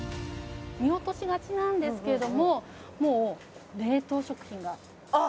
見落としがちなんですけれどももう冷凍食品があっ！